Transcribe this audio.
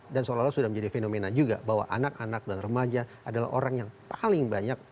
dan seolah olah sudah menjadi fenomena juga bahwa anak anak dan remaja adalah orang yang paling banyak